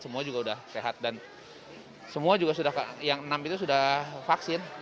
semua juga sudah sehat dan yang enam itu sudah vaksin